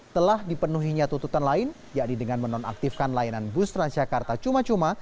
telah dipenuhinya tuntutan lain yakni dengan menonaktifkan layanan bus transjakarta cuma cuma